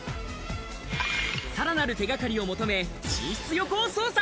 さらなる手掛かりを求め、寝室横を捜査。